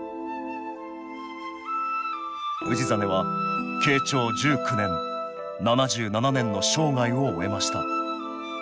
氏真は慶長１９年７７年の生涯を終えました